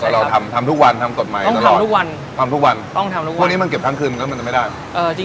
เราทำทุกวันทำต่อใหม่ขนาดนี้ค่ะพวกนี้มันเก็บทั้งคืนก็จะไม่ได้